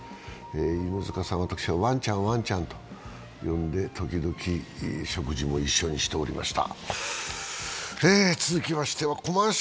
犬塚さん、私はワンちゃん、ワンちゃんと呼んでときどき食事も一緒にしておりました。